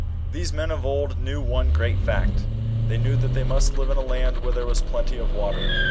These men of old, knew one great fact. They knew that they must live in a land, where there was plenty of water.